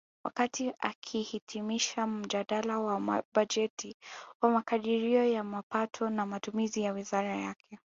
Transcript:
Wakati akihitimisha mjadala wa bajeti wa makadirio ya mapato na matumizi ya wizara yake